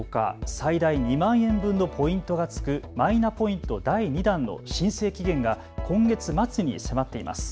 最大２万円分のポイントがつくマイナポイント第２弾の申請期限が今月末に迫っています。